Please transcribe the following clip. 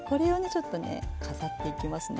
ちょっとね飾っていきますね。